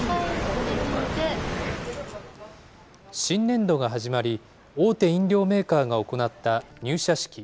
新年度が始まり、大手飲料メーカーが行った入社式。